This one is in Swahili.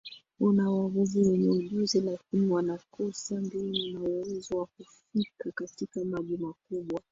Kuna wavuvi wenye ujuzi lakini wanakosa mbinu na uwezo wa kufika katika maji makubwa